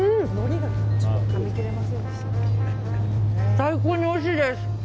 最高においしいです！